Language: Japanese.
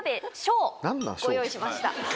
ご用意しました。